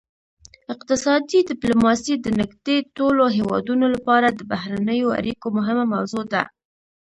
اقتصادي ډیپلوماسي د نږدې ټولو هیوادونو لپاره د بهرنیو اړیکو مهمه موضوع ده